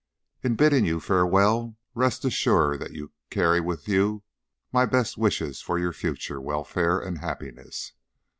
__... In bidding you farewell, rest assured that you carry with you my best wishes for your future welfare and happiness.